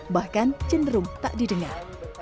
bahkan cenderung tak didengar